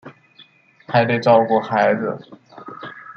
还得照顾孩子